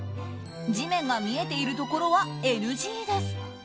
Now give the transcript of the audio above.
地面が見えているところはＮＧです。